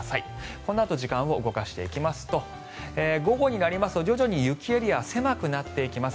このあと時間を動かしていきますと午後になりますと徐々に雪エリアは狭くなってきます。